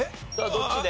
どっちで？